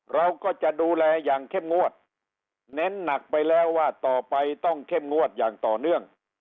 เราก็จะดูแลอย่างเข้มงวดเน้นหนักไปแล้วว่าต่อไปต้องเข้มงวดอย่างต่อเนื่อง